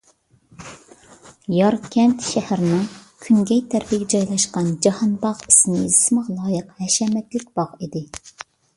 ياركەنت شەھىرىنىڭ كۈنگەي تەرىپىگە جايلاشقان جاھانباغ ئىسمى-جىسمىغا لايىق ھەشەمەتلىك باغ ئىدى.